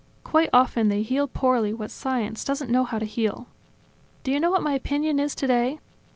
. Quite often they heal poorly what science doesn't know how to heal ... Do you know what my opinion is today?